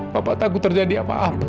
bapak takut terjadi apa apa